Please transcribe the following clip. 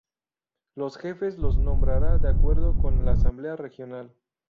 Los jefes los nombrará de acuerdo con la asamblea regional.